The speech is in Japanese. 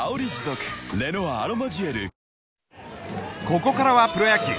ここからはプロ野球。